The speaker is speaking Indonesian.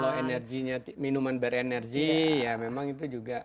oh ya kalau minuman berenergi ya memang itu juga